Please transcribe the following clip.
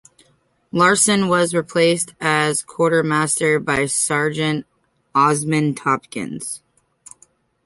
Larsen was replaced as quartermaster by Sergeant Osmond Tompkins.